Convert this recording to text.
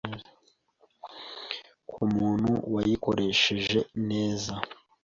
ku muntu wayikoresheje neza